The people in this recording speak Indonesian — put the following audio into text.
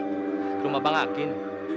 ke rumah bang akin